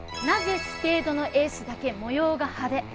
なぜスペードのエースだけ模様が派手？